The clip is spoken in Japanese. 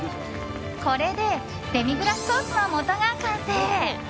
これでデミグラスソースのもとが完成。